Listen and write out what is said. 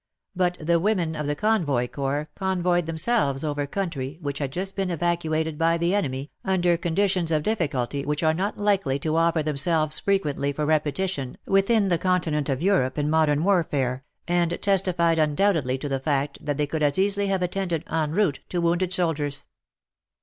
But the women of the Convoy Corps convoyed themselves over country which had just been evacuated by the enemy, under 196 WAR AND WOMEN conditions of difficulty which are not likely to offer themselves frequently for repetition within the continent of Europe in modern war fare, and testified undoubtedly to the fact that they could as easily have attended en route to wounded soldiers.